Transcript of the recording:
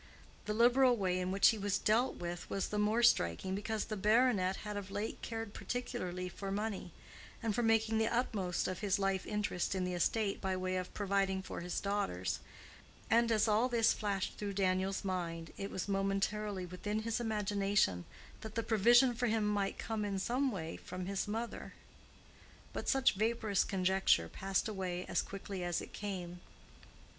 The liberal way in which he was dealt with was the more striking because the baronet had of late cared particularly for money, and for making the utmost of his life interest in the estate by way of providing for his daughters; and as all this flashed through Daniel's mind it was momentarily within his imagination that the provision for him might come in some way from his mother. But such vaporous conjecture passed away as quickly as it came.